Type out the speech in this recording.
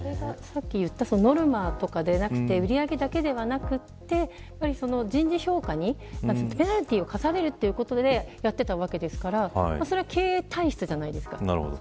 ノルマとかではなく売上とかでもなく人事評価になってペナルティーに課されるということでやっていたわけですからそれは経営体質じゃないですか。